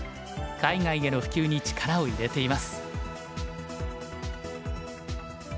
海外への普及に力を入れています。